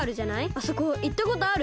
あそこいったことある？